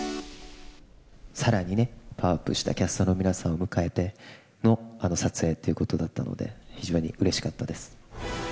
さらにね、パワーアップしたキャストの皆さんを迎えての撮影ということだったので、非常にうれしかったです。